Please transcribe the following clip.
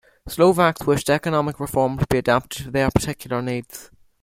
Slovaks wished economic reform to be adapted to their particular needs.